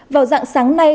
vào dặn sáng nay